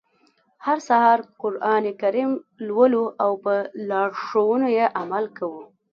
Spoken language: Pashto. هر سهار قرآن کریم لولو او په لارښوونو يې عمل کوو.